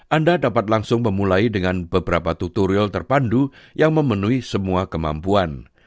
anda dapat langsung memulai dengan beberapa tutorial terpandu yang memenuhi semua kemampuan